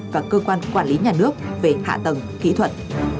và cơ quan quản lý nhà nước về hạ tầng kỹ thuật